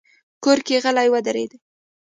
کور کې غلې ودرېدې.